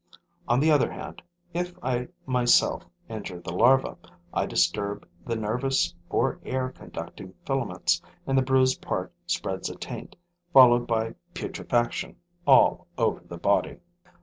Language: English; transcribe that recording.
On the other hand, if I myself injure the larva, I disturb the nervous or air conducting filaments; and the bruised part spreads a taint, followed by putrefaction, all over the body.